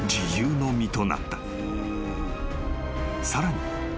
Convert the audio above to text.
［さらに］